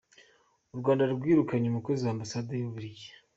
U Rwanda rwirukanye umukozi wa Ambasade y’u Bubiligi